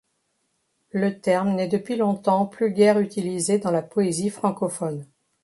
Le terme n'est depuis longtemps plus guère utilisé dans la poésie francophone.